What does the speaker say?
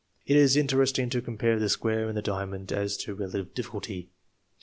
It is interesting to compare the square and the diamond as to relative difficulty.